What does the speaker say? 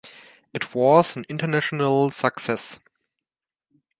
It was an international success.